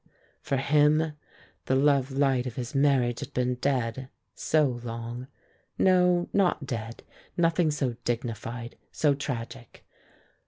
For him the love light of his marriage had been dead so long! No, not dead; nothing so dignified, so tragic.